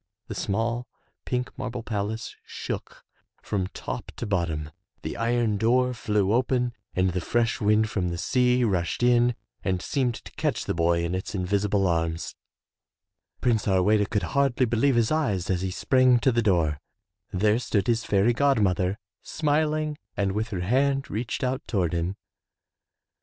The small, pink marble palace shook from top to bottom, the iron door flew open and the fresh wind from the sea rushed in and seemed to catch the boy in its invisible arms. Prince Harweda could hardly believe his eyes as he sprang 43 M Y BOOK HOUSE to the door. There stood his fairy god mother, smiling and with her hand reached out toward him.